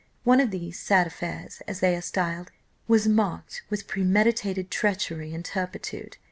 One of these 'sad affairs,' as they are styled, was marked with premeditated treachery and turpitude.